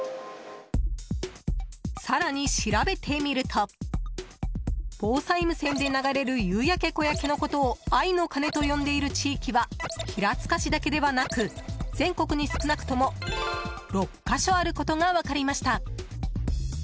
更に、調べてみると防災無線で流れる「夕焼け小焼け」のことを「愛の鐘」と呼んでいる地域は平塚市だけではなく全国に少なくとも６か所あることが分かりました。